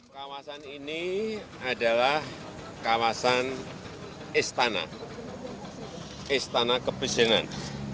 kawasan ini adalah kawasan istana istana kepresingan